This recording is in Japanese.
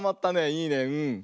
いいねうん。